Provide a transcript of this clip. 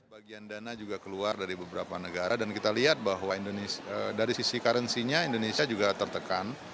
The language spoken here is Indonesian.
bagian dana juga keluar dari beberapa negara dan kita lihat bahwa dari sisi currency nya indonesia juga tertekan